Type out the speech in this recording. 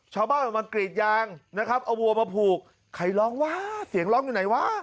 ชาวบ้านออกมากรีดยางนะครับเอาวัวมาผูกใครร้องว้าเสียงร้องอยู่ไหนวะ